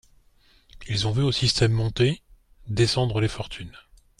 Ils ont vu au Système monter, descendre les fortunes.